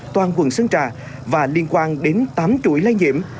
toàn quận sơn trà và liên quan đến tám chuỗi lây nhiễm